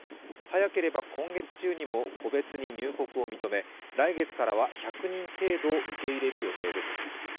早ければ今月中にも個別に入国を認め、来月からは１００人程度を受け入れる予定です。